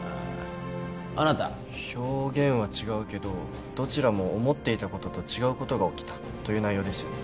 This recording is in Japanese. あなた表現は違うけどどちらも思っていたことと違うことが起きたという内容ですよね